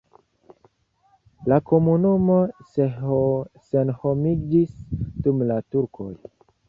La komunumo senhomiĝis dum la turkoj.